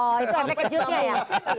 oh itu apa yang kejutnya ya